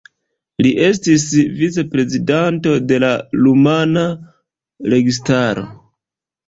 Li estis vicprezidanto de la rumana registaro.